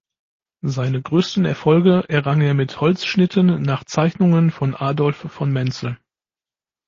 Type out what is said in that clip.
Seine größten Erfolge errang er mit Holzschnitten nach Zeichnungen von Adolph von Menzel.